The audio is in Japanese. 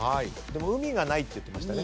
海がないって言ってましたね。